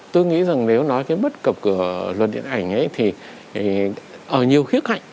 tôi nghĩ rằng nếu nói về bất cập của luật điện ảnh thì ở nhiều khía cạnh